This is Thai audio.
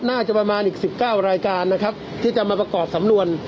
น่าจะประมาณอีกสิบเก้ารายการนะครับที่จะมาประกอบสำนวน